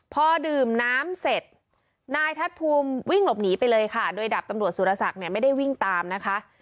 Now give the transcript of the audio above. พอดื่มน้ำเสร็จนายทัศน์ภูมิวิ่งหลบหนีไปเลยค่ะโดยดาบตำรวจสุรศักดิ์เนี่ยไม่ได้วิ่งตามนะคะ